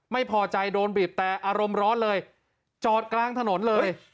ไม่พอใจโดนบีบแต่อารมณ์ร้อนเลยจอดกลางถนนเลย